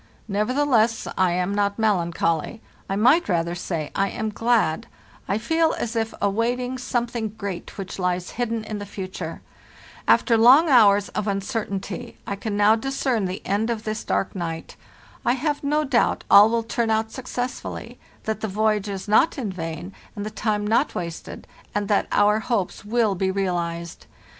Nevertheless, I am not melancholy. I 32 BPARLAE ST NORTH might rather say I am glad; I feel as if awaiting some thing great which lies hidden in the future; after long hours of uncertainty I can now discern the end of this dark night; I have no doubt all will turn out suc cessfully, that the voyage is not in vain and the time not wasted, and that our hopes will be realized.